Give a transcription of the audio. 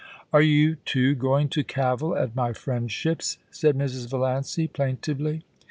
*Are you, too, going to cavil at my friendships?* said Mrs. Valiancy, plaintively.